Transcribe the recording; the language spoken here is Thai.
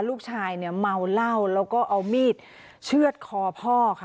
ลูกชายเหมาเหล้าแล้วเอามีดเชือกคอพ่อค่ะ